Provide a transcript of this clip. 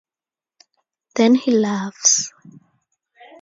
Then he laughs.